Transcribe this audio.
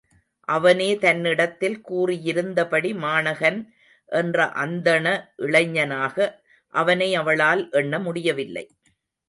அவனே தன்னிடத்தில் கூறியிருந்தபடி மாணகன் என்ற அந்தண இளைஞனாக அவனை அவளால் எண்ண முடியவில்லை.